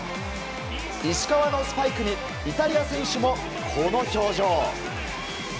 石川のスパイクにイタリア選手もこの表情。